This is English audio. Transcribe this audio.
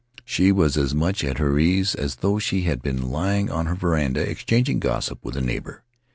She was as much at her ease as though she had been lying on her veranda exchanging gossip with a neighbor.